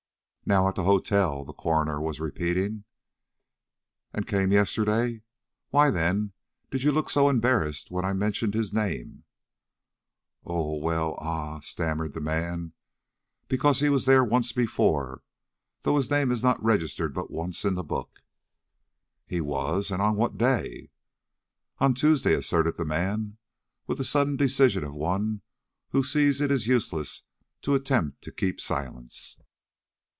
"Now at the hotel?" the coroner was repeating. "And came yesterday? Why, then, did you look so embarrassed when I mentioned his name?" "Oh well ah," stammered the man, "because he was there once before, though his name is not registered but once in the book." "He was? And on what day?" "On Tuesday," asserted the man, with the sudden decision of one who sees it is useless to attempt to keep silence.